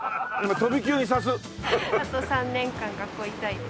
あと３年間学校行きたいです。